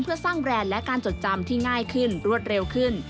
เพื่อสร้างแบรนด์และการจดจำที่ง่ายขึ้นรวดเร็วขึ้น